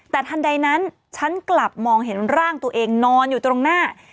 แต่ทันใดนั้นฉันกลับมองเห็นร่างตัวเองนอนอยู่ตรงหน้า